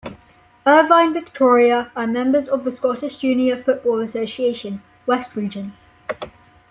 Irvine Victoria are members of the Scottish Junior Football Association, West Region.